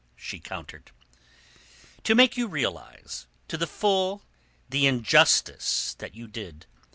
she countered. "To make you realize to the full the injustice that you did.